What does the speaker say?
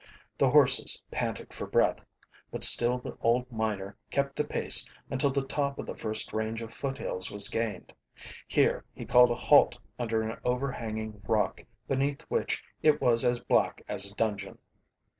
The horses panted for breath, but still the old miner kept the pace until the top of the first range of foothills was gained. Here he called a halt under an overhanging rock beneath which it was as black as a dungeon.